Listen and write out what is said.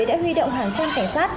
đã huy động hàng trăm cảnh sát